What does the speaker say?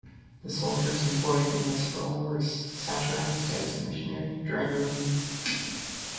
The soldiers employed in this role were satirized as "missionary dragoons".